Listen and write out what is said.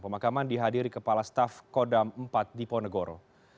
pemakaman dihadiri kepala staf kodam empat di ponegoro